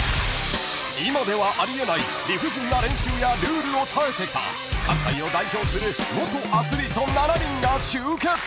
［今ではあり得ない理不尽な練習やルールを耐えていた各界を代表する元アスリート７人が集結］